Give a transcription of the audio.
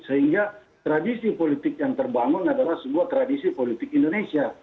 sehingga tradisi politik yang terbangun adalah sebuah tradisi politik indonesia